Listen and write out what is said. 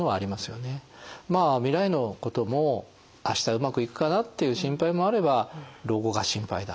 まあ未来のことも明日うまくいくかなっていう心配もあれば老後が心配だ